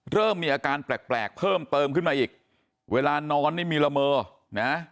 เริ่มมีอาการแปลกแปลกเพิ่มเติมขึ้นมาอีกเวลานอนนี่มีละเมอนะ